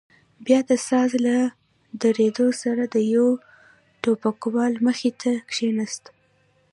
بيا د ساز له درېدو سره د يوه ټوپکوال مخې ته کښېناست.